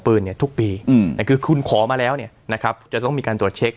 เนี่ยทุกปีอืมแต่คือคุณขอมาแล้วเนี่ยนะครับจะต้องมีการตรวจเช็ค